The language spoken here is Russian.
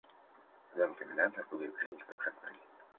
В доме коменданта был я принят как родной.